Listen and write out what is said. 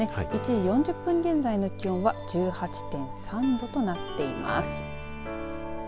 １時４０分現在の気温は１８．３度となっています。